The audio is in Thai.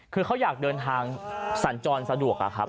คือเขาอยากเดินทางสัญจรสะดวกอะครับ